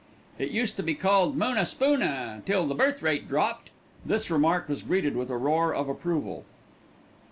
It used to be called Moonaspoona till the birth rate dropped." This remark was greeted with a roar of approval.